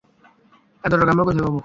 এত টাকা আমরা কোথায় পাবো?